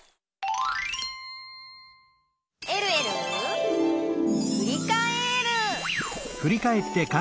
「えるえるふりかえる」